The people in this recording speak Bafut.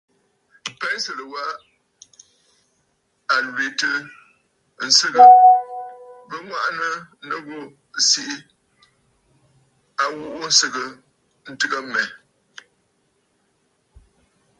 Pensə̀lə̀ wa a lwìtə̀ ǹsɨgə, bɨ ŋwàʼànə̀ nɨ ghu siʼi a ghuʼu nsɨgə ntɨgə mmɛ.